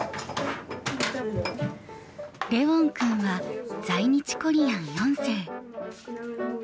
レウォン君は在日コリアン４世。